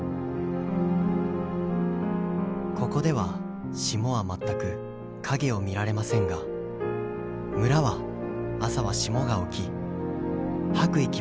「ここでは霜は全く影を見られませんが村は朝は霜が置き吐く息も真っ白く凍る頃ですね。